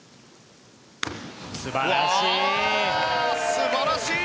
素晴らしい！